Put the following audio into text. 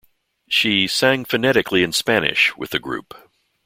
She "sang phonetically in Spanish" with the group.